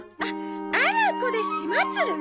あらこれしまつる？